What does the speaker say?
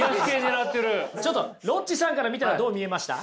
ちょっとロッチさんから見たらどう見えました？